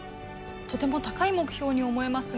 とても高い目標に思えますが。